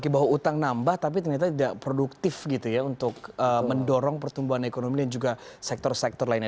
bahwa utang nambah tapi ternyata tidak produktif gitu ya untuk mendorong pertumbuhan ekonomi dan juga sektor sektor lainnya